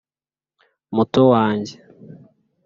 muto wanjye,